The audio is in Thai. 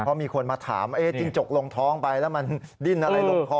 เพราะมีคนมาถามจิ้งจกลงท้องไปแล้วมันดิ้นอะไรลงคอ